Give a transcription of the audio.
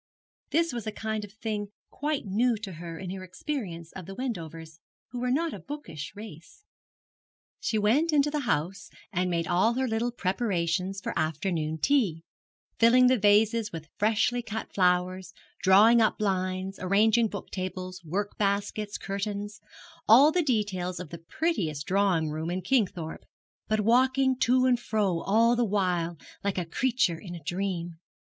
This was a kind of thing quite new to her in her experience of the Wendovers, who were not a bookish race. She went into the house, and made all her little preparations for afternoon tea, filling the vases with freshly cut flowers, drawing up blinds, arranging book tables, work baskets, curtains all the details of the prettiest drawing room in Kingthorpe, but walking to and fro all the while like a creature in a dream.